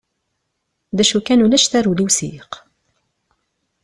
D acu kan ulac tarewla i usiyeq.